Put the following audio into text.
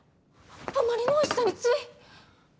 あまりのおいしさについ。